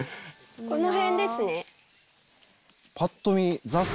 この辺ですね。